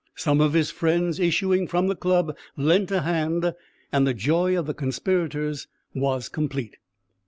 Some of his friends issuing from the club lent a hand, and the joy of the conspirators was complete.